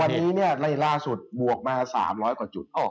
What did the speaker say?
วันนี้ในล่าสุดบวกมา๓๐๐กว่าจุด